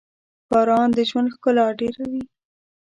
• باران د ژوند ښکلا ډېروي.